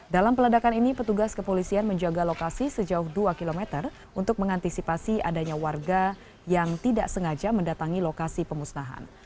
dalam peledakan ini petugas kepolisian menjaga lokasi sejauh dua km untuk mengantisipasi adanya warga yang tidak sengaja mendatangi lokasi pemusnahan